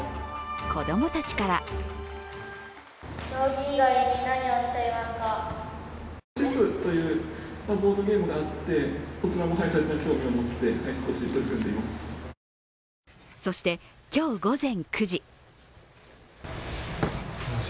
子供たちからそして、今日午前９時。